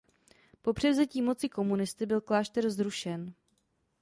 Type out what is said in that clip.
Po převzetí moci komunisty byl klášter zrušen.